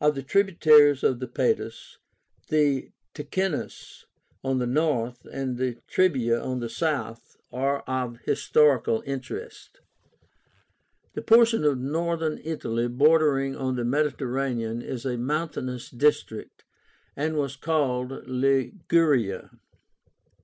Of the tributaries of the Padus, the Ticínus on the north, and the Trebia on the south, are of historical interest. The portion of Northern Italy bordering on the Mediterranean is a mountainous district, and was called LIGURIA.